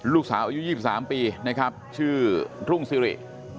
ลูกสาวอายุ๒๓ปีนะครับชื่อรุ่งซิริ